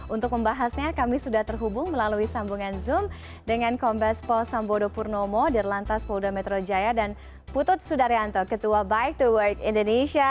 untuk membahasnya kami sudah terhubung melalui sambungan zoom dengan kombes pol sambodo purnomo di lantas polda metro jaya dan putut sudaryanto ketua bike to work indonesia